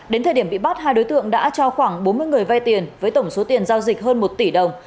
đến thời điểm bị bắt hai đối tượng đã cho khoảng bốn mươi người vay tiền với tổng số tiền giao dịch hơn một tỷ đồng